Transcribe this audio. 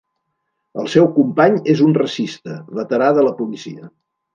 El seu company és un racista, veterà de la policia.